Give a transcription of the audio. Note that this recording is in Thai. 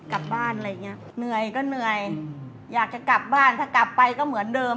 กลับบ้านอะไรอย่างเงี้ยเหนื่อยก็เหนื่อยอยากจะกลับบ้านถ้ากลับไปก็เหมือนเดิม